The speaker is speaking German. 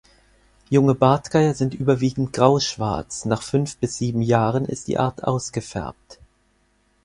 Junge Bartgeier sind überwiegend grauschwarz, nach fünf bis sieben Jahren ist die Art ausgefärbt.